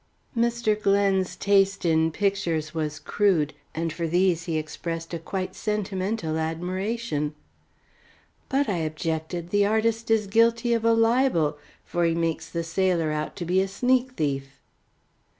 Mr. Glen's taste in pictures was crude, and for these he expressed a quite sentimental admiration. "But," I objected, "the artist is guilty of a libel, for he makes the sailor out to be a sneak thief." Mr.